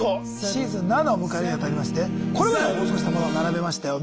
シーズン７を迎えるにあたりましてこれまで放送したものを並べましたよ。